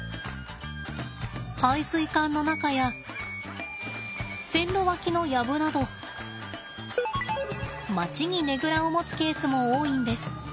排水管の中や線路脇の薮など町にねぐらを持つケースも多いんです。